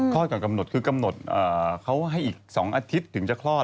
ก่อนกำหนดคือกำหนดเขาให้อีก๒อาทิตย์ถึงจะคลอด